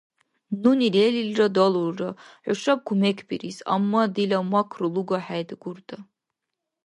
Нуни лерилра далулра. ХӀушаб кумекбирис. Амма дила макру луга хӀед, Гурда.